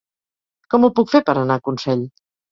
Com ho puc fer per anar a Consell?